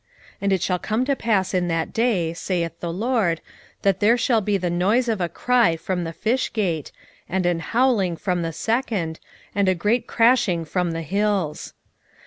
1:10 And it shall come to pass in that day, saith the LORD, that there shall be the noise of a cry from the fish gate, and an howling from the second, and a great crashing from the hills.